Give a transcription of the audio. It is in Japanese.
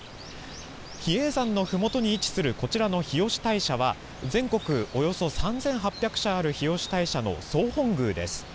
比叡山のふもとに位置するこちらの日吉大社は、全国およそ３８００社ある日吉大社の総本宮です。